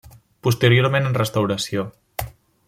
Posteriorment en restauració.